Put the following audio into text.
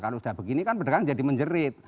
kalau sudah begini kan pedagang jadi menjerit